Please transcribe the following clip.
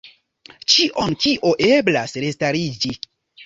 Ĉion, kio eblas restariĝi.